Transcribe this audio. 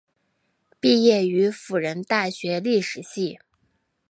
毕业于辅仁大学历史系。